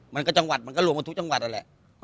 มันก็จังหวัดมันก็รวมกันทุกจังหวัดนั่นแหละ